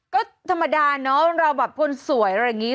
ก็ธรรมดาเนอะเราแบบคนสวยอะไรอย่างนี้